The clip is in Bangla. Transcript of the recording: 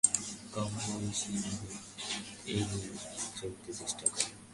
কমবয়েসী মেয়েদের তিনি এড়িয়ে চলতে চেষ্টা করেন।